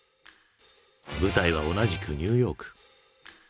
舞台は同じくニューヨーク。